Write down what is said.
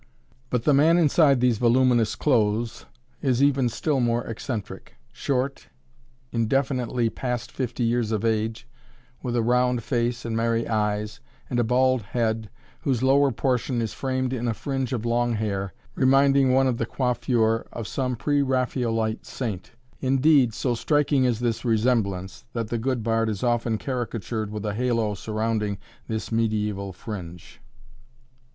But the man inside these voluminous clothes is even still more eccentric. Short, indefinitely past fifty years of age, with a round face and merry eyes, and a bald head whose lower portion is framed in a fringe of long hair, reminding one of the coiffure of some pre Raphaelite saint indeed, so striking is this resemblance that the good bard is often caricatured with a halo surrounding this medieval fringe.